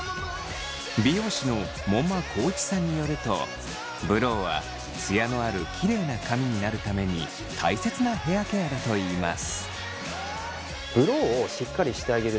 美容師の門馬宏一さんによるとブローはツヤのあるキレイな髪になるために大切なヘアケアだといいます。